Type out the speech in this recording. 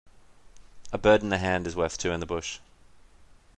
A bird in the hand is worth two in the bush.